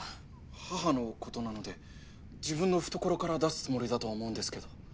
母のことなので自分の懐から出すつもりだと思うんですけど。